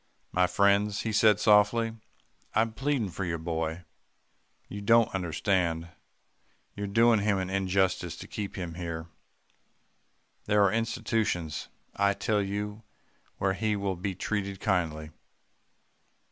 "'My friends,' he said softly, 'I'm pleading for your boy. You don't understand. You're doing him an injustice to keep him here. There are institutions, I tell you, where he will be treated kindly.